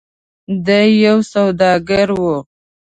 د ی یو سوداګر و.